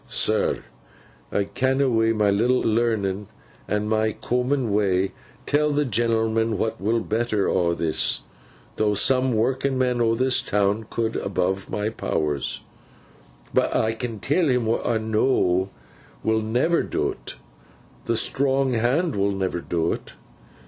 'Sir, I canna, wi' my little learning an' my common way, tell the genelman what will better aw this—though some working men o' this town could, above my powers—but I can tell him what I know will never do 't. The strong hand will never do 't.